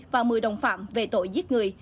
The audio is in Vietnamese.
và một mươi đồng phạm về tội giết người